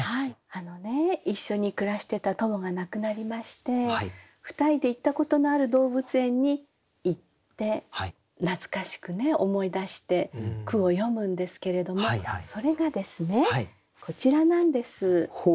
あのね一緒に暮らしてたトモが亡くなりまして２人で行ったことのある動物園に行って懐かしくね思い出して句を詠むんですけれどもそれがですねこちらなんです。